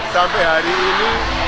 sampai hari ini